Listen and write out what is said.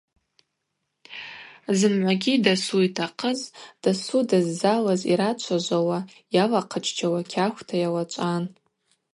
Зымгӏвагьи дасу йтахъыз, дасу дыззалыз йрачважвауа, йалахъыччауа кьахвта йалачӏван.